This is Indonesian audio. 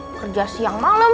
kerja siang malem